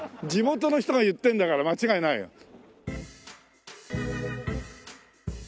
地元の人が言ってるんだから間違いないよ。